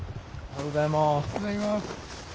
おはようございます。